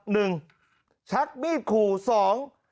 หนึ่งชักมีดขู่สอง